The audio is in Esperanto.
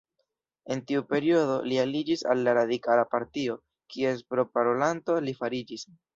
En tiu periodo, li aliĝis al la Radikala Partio, kies proparolanto li fariĝis.